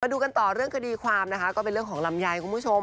ดูกันต่อเรื่องคดีความนะคะก็เป็นเรื่องของลำไยคุณผู้ชม